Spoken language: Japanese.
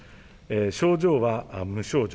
症状は無症状。